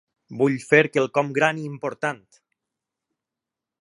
Vull fer quelcom gran i important.